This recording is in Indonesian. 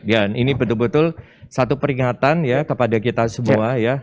ini betul betul satu peringatan ya kepada kita semua ya